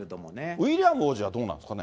ウィリアム王子はどうなんですかね。